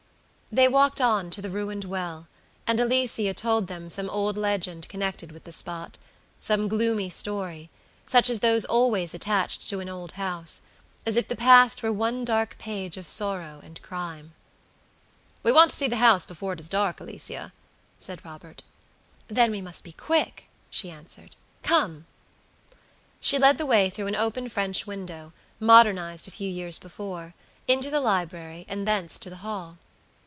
They walked on to the ruined well; and Alicia told them some old legend connected with the spotsome gloomy story, such as those always attached to an old house, as if the past were one dark page of sorrow and crime. "We want to see the house before it is dark, Alicia," said Robert. "Then we must be quick." she answered. "Come." She led the way through an open French window, modernized a few years before, into the library, and thence to the hall.